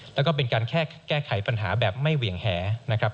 และเป็นการแก้ไขแบบไม่เหวี่ยงแหน